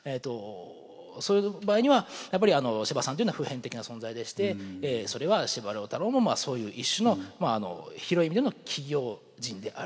その場合にはやっぱり司馬さんっていうのは普遍的な存在でしてそれは司馬太郎もそういう一種の広い意味での企業人であると。